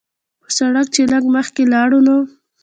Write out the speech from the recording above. پۀ سړک چې لږ مخکښې لاړو نو